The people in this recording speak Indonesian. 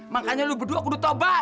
makanya lu berdua kudutobat